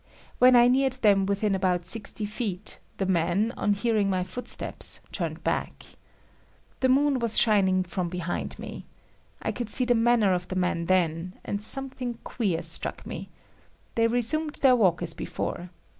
When I neared them within about sixty feet, the man, on hearing my footsteps, turned back. The moon was shining from behind me. I could see the manner of the man then and something queer struck me. They resumed their walk as before.